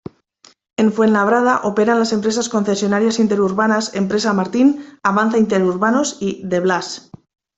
En Fuenlabrada operan las empresas concesionarias interurbanas Empresa Martín, Avanza Interurbanos, y De Blas.